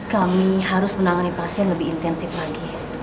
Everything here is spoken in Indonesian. kami harus menangani pasien lebih intensif lagi